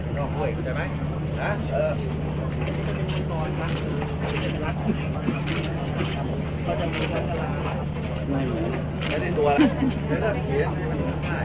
เมืองอัศวินธรรมดาคือสถานที่สุดท้ายของเมืองอัศวินธรรมดา